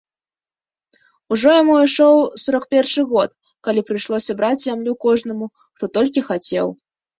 Ужо яму ішоў сорак першы год, калі прыйшлося браць зямлю кожнаму, хто толькі хацеў.